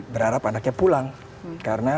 berharap anaknya pulang karena